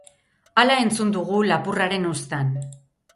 Hala entzun dugu lapurraren uztan.